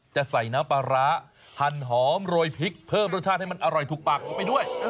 จะใส่น้ำปลาร้าหั่นหอมโรยพริกเพิ่มรสชาติให้มันอร่อยถูกปากออกไปด้วย